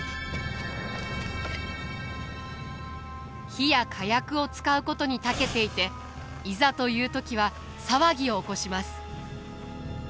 火や火薬を使うことにたけていていざという時は騒ぎを起こします。